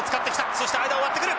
そして間を割ってくる。